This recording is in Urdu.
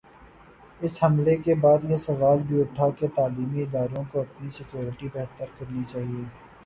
اس حملے کے بعد یہ سوال بھی اٹھا کہ تعلیمی اداروں کو اپنی سکیورٹی بہتر کرنی چاہیے۔